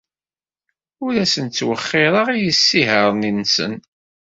Ur asen-ttwexxireɣ isihaṛen-nsen.